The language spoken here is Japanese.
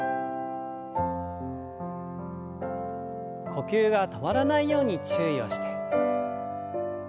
呼吸が止まらないように注意をして。